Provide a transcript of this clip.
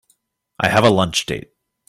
I have a lunch date.